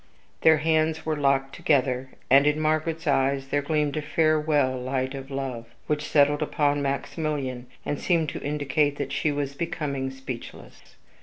Their hands were locked together, and in Margaret's eyes there gleamed a farewell light of love, which settled upon Maximilian, and seemed to indicate that she was becoming speechless.